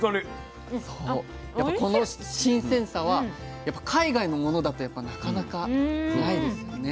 やっぱこの新鮮さは海外のものだとなかなかないですよね。